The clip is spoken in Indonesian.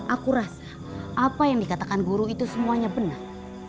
aku rasa apa yang dikatakan guru itu semuanya benar